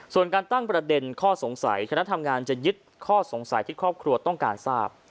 ส่วนการตั้งประเด็นข้อสงสัยคณะทำงานจะยึดข้อสงสัยที่ครอบครัวต้องการทราบ